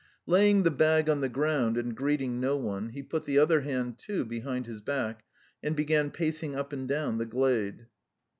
Laying the bag on the ground and greeting no one, he put the other hand, too, behind his back and began pacing up and down the glade.